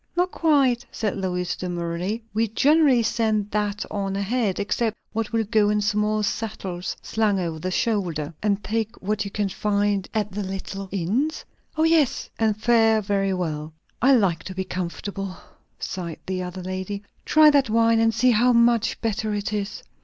"Not quite," said Lois demurely. "We generally send that on ahead, except what will go in small satchels slung over the shoulder." "And take what you can find at the little inns?" "O yes; and fare very well." "I like to be comfortable!" sighed the other lady. "Try that wine, and see how much better it is."